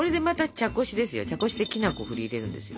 茶こしできなこを振り入れるんですよ。